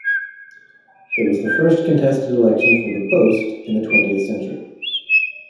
It was the first contested election for the post in the twentieth century.